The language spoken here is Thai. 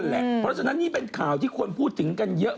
เพราะฉะนั้นนี่เป็นข่าวที่คนพูดถึงกันเยอะ